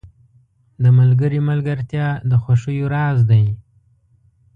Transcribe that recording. • د ملګري ملګرتیا د خوښیو راز دی.